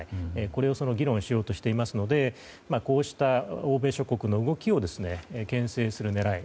これを議論しようとしていますのでこうした欧米諸国の動きを牽制する狙い